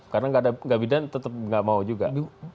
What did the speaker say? karena nggak bidan tetep nggak mau juga